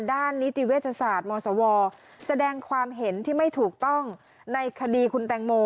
นิติเวชศาสตร์มสวแสดงความเห็นที่ไม่ถูกต้องในคดีคุณแตงโม